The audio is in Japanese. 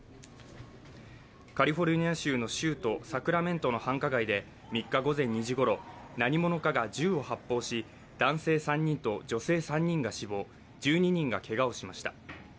カリフォルニア州の州都サクラメントの繁華街で３日午前２時ごろ、何者かが銃を発砲し男性３人と女性３人が死亡、１２人がけがをしました。